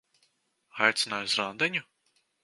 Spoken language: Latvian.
Aicināja uz randiņu?